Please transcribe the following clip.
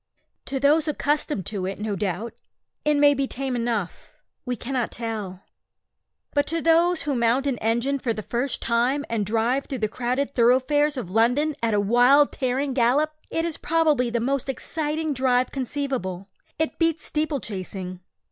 To those accustomed to it, no doubt, it may be tame enough we cannot tell; but to those who mount an engine for the first time and drive through the crowded thoroughfares of London at a wild tearing gallop, it is probably the most exciting drive conceivable. It beats steeple chasing.